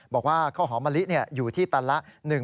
บอกว่าข้าวหอมมะลิอยู่ที่ตันละ